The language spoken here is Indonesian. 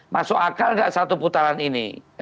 masuk akal nggak satu putaran ini